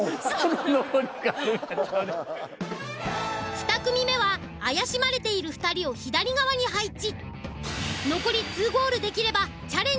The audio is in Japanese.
２組目は怪しまれている２人を左側に配置。